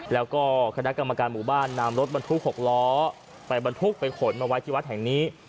แล้วก็คณะกรรมการหมู่บ้านนำรถบรรทุก๖ล้อไปบรรทุกไปขนมาไว้ที่วัดแห่งนี้